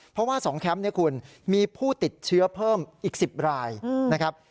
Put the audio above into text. เพราะว่า๒แคมป์เนี่ยคุณมีผู้ติดเชื้อเพิ่มอีก๑๐รายนะครับ